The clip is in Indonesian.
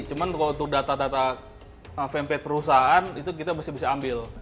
cuma kalau untuk data data fampet perusahaan itu kita mesti bisa ambil